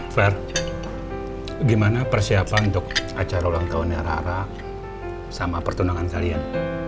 ver gimana persiapan untuk acara ulang tahunnya rara sama pertunangan kalian